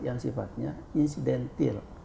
yang sifatnya insidentil